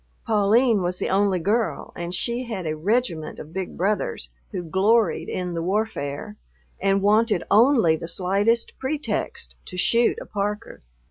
Pauline was the only girl, and she had a regiment of big brothers who gloried in the warfare and wanted only the slightest pretext to shoot a Parker.